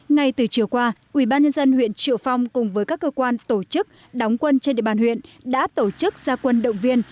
ngay từ chiều qua ubnd huyện triệu phong cùng với các cơ quan tổ chức đóng quân trên địa bàn huyện đã tổ chức gia quân động viên